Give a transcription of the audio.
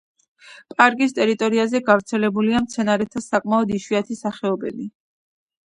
პარკის ტერიტორიაზე გავრცელებულია მცენარეთა საკმაოდ იშვიათი სახეობები.